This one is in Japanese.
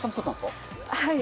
はい。